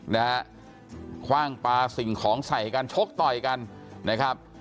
นะฮะคว่างปลาสิ่งของใส่กันชกต่อยกันนะครับ